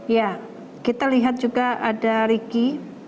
ya kita lihat juga ada riki